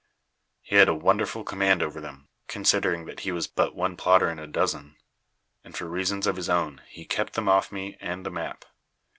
"He had a wonderful command over them, considering that he was but one plotter in a dozen; and for reasons of his own he kept them off me and the map.